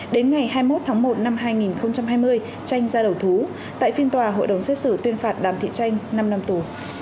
đến ngày hai mươi một tháng một năm hai nghìn hai mươi tranh ra đầu thú tại phiên tòa hội đồng xét xử tuyên phạt đàm thị tranh năm năm tù